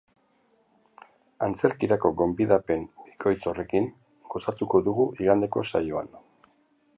Antzerkirako gonbidapen bikoitz horrekin gozatuko dugu igandeko saioan.